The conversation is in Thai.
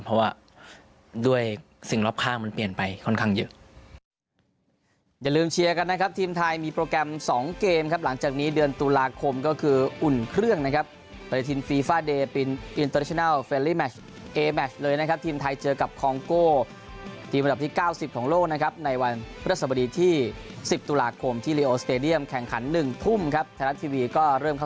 เพราะว่าด้วยสิ่งรอบข้างมันเปลี่ยนไปค่อนข้างเยอะ